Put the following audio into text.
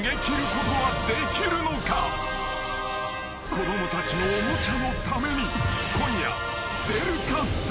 ［子供たちのおもちゃのために今夜］